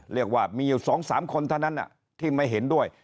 เรียกว่ามีอยู่๒๓คนเท่านั้นที่ไม่เห็นด้วย